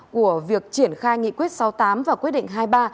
của việc triển khai nghị quyết sáu mươi tám và quyết định hai mươi ba